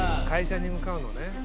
会社に向かうのね。